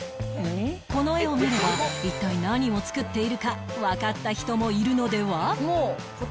この絵を見れば一体何を作っているかわかった人もいるのでは？